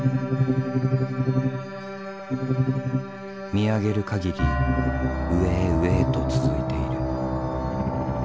見上げる限り上へ上へと続いている。